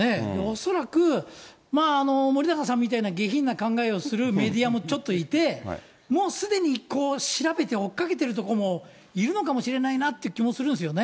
恐らく、森永さんみたいな下品な考えをするメディアもちょっといて、もうすでにこう、調べて追っかけているところもいるのかもしれないなという気もするんですよね。